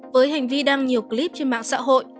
với hành vi đăng nhiều clip trên mạng xã hội